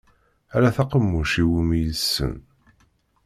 Ala taqemmuc iwumi yessen.